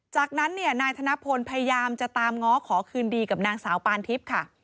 จากนั้นเนี่ยนายธนพลพยายามจะตามง้อขอคืนดีกับนางสาวปานทิพย์ค่ะ